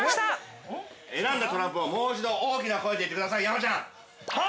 選んだトランプをもう一度大きな声で言ってください、山ちゃん。